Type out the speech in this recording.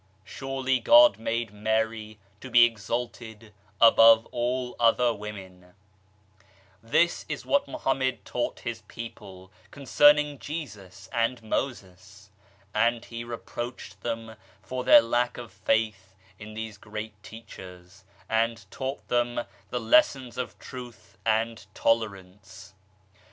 Surely God made Mary to be exalted above all other women/' This is what Mohammed taught his people concerning Jesus and Moses, and he reproached them for their lack of faith in these great Teachers, and taught them the lessons of Truth and tolerance.